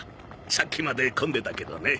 さっきまで混んでたけどね。